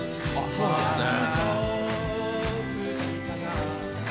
「そうなんですね」